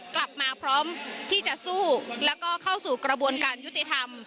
กลับมาพร้อมที่จะสู้แล้วก็เข้าสู่กระบวนการยุติธรรม